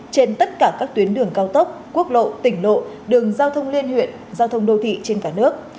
trên tất cả các tuyến đường cao tốc quốc lộ tỉnh lộ đường giao thông liên huyện giao thông đô thị trên cả nước